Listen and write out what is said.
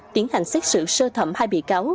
tiến hành xét xử sơ thẩm hai bị cáo